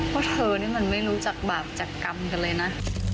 เพราะเธอนี่มันไม่รู้จักบาปจากกรรมกันเลยนะ